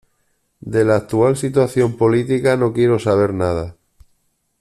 De la actual situación política no quiero saber nada.